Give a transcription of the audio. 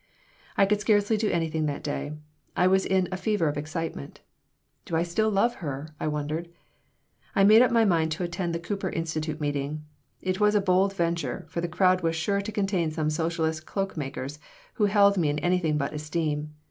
I could scarcely do anything that day. I was in a fever of excitement. "Do I still love her?" I wondered I made up my mind to attend the Cooper Institute meeting. It was a bold venture, for the crowd was sure to contain some socialist cloak makers who held me in anything but esteem.